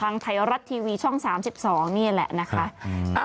ทางไทยรัฐทีวีช่อง๓๒นี่แหละนะคะ